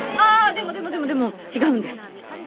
でもでもでもでも違うんです。